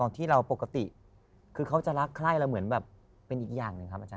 ต่อที่เราปกติคือเขาจะลักคล้ายเราเหมือนแบบเป็นอีกอย่าง